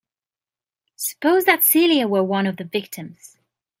Suppose that Celia were one of the victims?